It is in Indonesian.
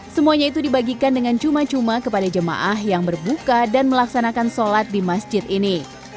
semuanya itu dibagikan dengan cuma cuma kepada jemaah yang berbuka dan melaksanakan sholat di masjid ini